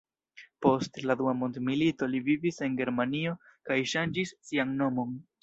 Post la dua mondmilito li vivis en Germanio kaj ŝanĝis sian nomon.